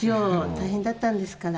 大変だったんですから。